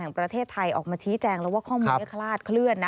ประเทศไทยออกมาชี้แจงแล้วว่าข้อมูลนี้คลาดเคลื่อน